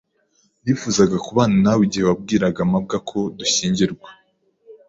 Nifuzaga kubana nawe igihe wabwiraga mabwa ko dushyingirwa.